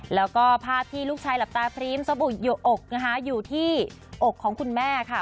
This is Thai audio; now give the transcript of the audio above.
แล้วก็ภาพที่ลูกชายหลับตาพรีมสบู่อยู่อกนะคะอยู่ที่อกของคุณแม่ค่ะ